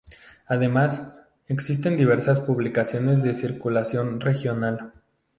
Además, existen diversas publicaciones de circulación regional.